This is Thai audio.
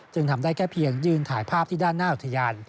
ทำได้แค่เพียงยืนถ่ายภาพที่ด้านหน้าอุทยาน